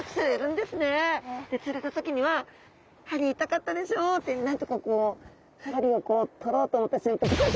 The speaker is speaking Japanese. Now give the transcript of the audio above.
で釣れた時には「針痛かったでしょ」ってなんとか針を取ろうと思った瞬間